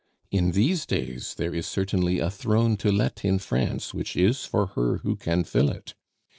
In these days there is certainly a throne to let in France which is for her who can fill it.